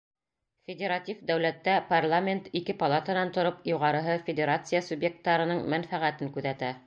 Федератив дәүләттә парламент ике палатанан тороп, юғарыһы федерация суъекттарының мәнфәғәтен күҙәтә.